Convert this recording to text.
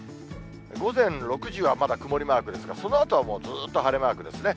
午前６時はまだ曇りマークですが、そのあとはもうずっと晴れマークですね。